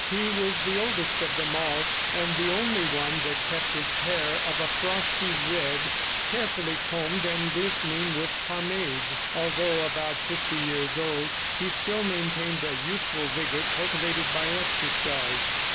He was the oldest of them all and the only one that kept his hair, of a frosty red, carefully combed and glistening with pomade. Although about fifty years old, he still maintained a youthful vigor cultivated by exercise.